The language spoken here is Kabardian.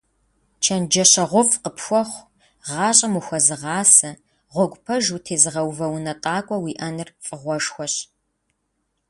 ЧэнджэщэгъуфӀ къыпхуэхъу, гъащӀэм ухуэзыгъасэ, гъуэгу пэж утезыгъэувэ унэтӀакӀуэ уиӀэныр фӀыгъуэшхуэщ.